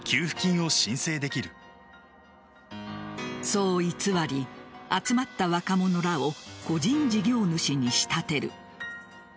そう偽り、集まった若者らを個人事業主に仕立てる。